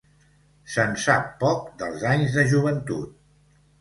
Se'n sap poc dels anys de joventut.